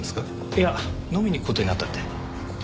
いや飲みに行く事になったって。